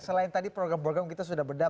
selain tadi program program kita sudah bedah